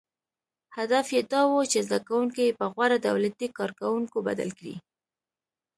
• هدف یې دا و، چې زدهکوونکي یې په غوره دولتي کارکوونکو بدل کړي.